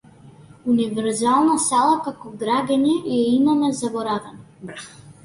Универзална сала како граѓани ја имаме заборавено.